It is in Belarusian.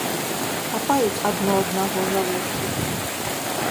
Хапаюць адно аднаго за вушкі.